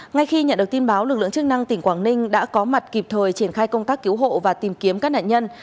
ngay khi nhận được tin báo lực lượng chức năng tỉnh quảng ninh đã có mặt kịp thời triển khai công tác cứu hộ và tìm kiếm các nạn nhân